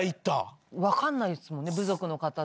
分かんないっすもんね部族の方。